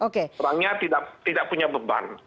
kurangnya tidak punya beban